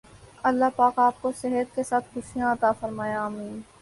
اللہ پاک آپ کو صحت کے ساتھ خوشیاں عطا فرمائے آمین